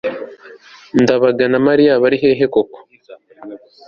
ndabaga na mariya bari he koko